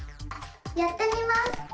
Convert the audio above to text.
やってみます！